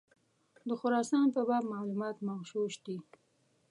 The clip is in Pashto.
د خراسان په باب معلومات مغشوش دي.